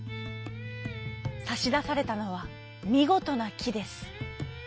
さしだされたのはみごとなきです。